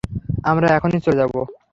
আমরা এখনই চলে যাব।